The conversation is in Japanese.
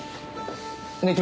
ねえ君。